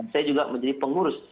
saya juga menjadi pengurus